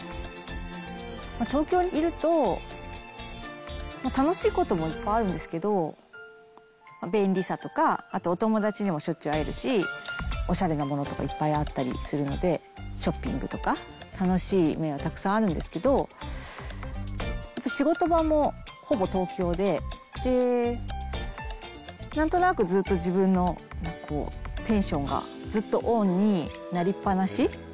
東京にいると、楽しいこともいっぱいあるんですけど、便利さとか、あとお友達にもしょっちゅう会えるし、おしゃれなものとかいっぱいあったりするので、ショッピングとか、楽しい面がたくさんあるんですけど、やっぱり仕事場もほぼ東京で、で、なんとなくずっと自分のテンションがずっとオンになりっぱなし。